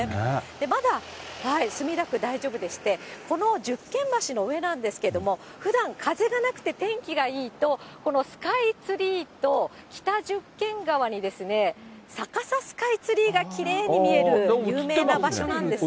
まだ墨田区、大丈夫でして、この十間橋の上なんですけども、ふだん、風がなくて天気がいいと、このスカイツリーと北十間川に逆さスカイツリーがきれいに見える有名な場所があるんですね。